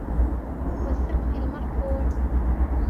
والسقف المرفوع